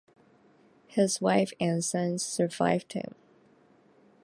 His wife and sons survived him.